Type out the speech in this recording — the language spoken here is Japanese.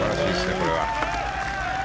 これは。